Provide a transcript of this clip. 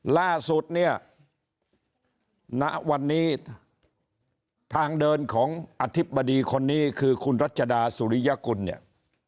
ล่าสุดเนี่ยณวันนี้ทางเดินของอธิบดีคนนี้คือคุณรัชดาสุริยกุลเนี่ย